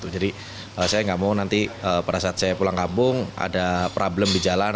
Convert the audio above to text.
jadi saya nggak mau nanti pada saat saya pulang kampung ada problem di jalan